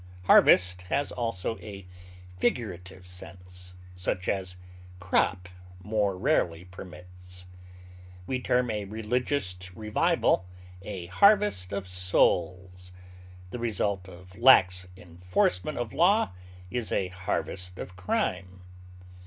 Harvest has also a figurative use, such as crop more rarely permits; we term a religious revival a harvest of souls; the result of lax enforcement of law is a harvest of crime.